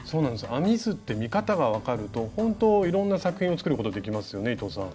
編み図って見方が分かるとほんといろんな作品を作ることができますよね伊藤さん。